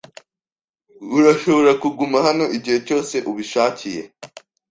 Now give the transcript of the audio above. Urashobora kuguma hano igihe cyose ubishakiye.